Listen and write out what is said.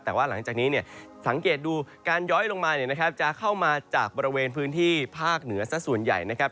แต่ว่าหลังจากนี้เนี่ยสังเกตดูการย้อยลงมาเนี่ยนะครับจะเข้ามาจากบริเวณพื้นที่ภาคเหนือสักส่วนใหญ่นะครับ